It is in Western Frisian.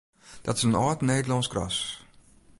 Dit is in âld Nederlânsk ras.